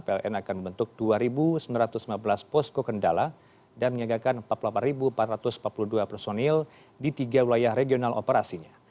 pln akan membentuk dua sembilan ratus lima belas posko kendala dan menyiagakan empat puluh delapan empat ratus empat puluh dua personil di tiga wilayah regional operasinya